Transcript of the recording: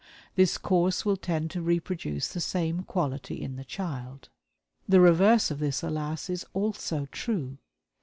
This course will tend to reproduce the same quality in the child. The reverse of this, alas, is also true.